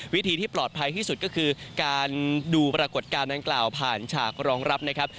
วิธีที่ปลอดภัยที่สุดก็คือการดูปรากฏการณ์ดังกล่าวผ่านฉากรองรับนะครับ